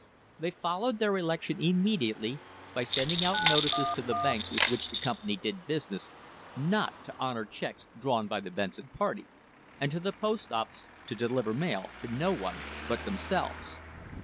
They fol lowed their election immediately by sending out notices to the banks with which the company did business not to honour checks drawn by the Benson party, and to the post office to deliver mail to no one but themselves.